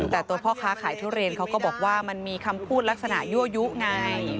แต่ตัวพ่อค้าขายทุเรียนเขาก็บอกว่ามันมีคำพูดลักษณะยั่วยุไง